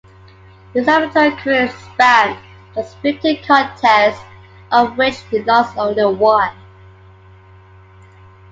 His amateur career spanned just fifteen contests, of which he lost only one.